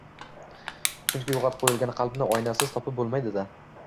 Chunki yo‘qotib qo‘yilgan qalbni oynasiz topib bo‘lmaydi-da.